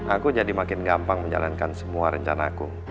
aku jadi makin gampang menjalankan semua rencanaku